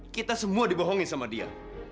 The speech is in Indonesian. kita semua dibohongi sama dia